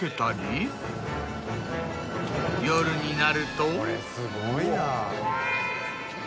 夜になると。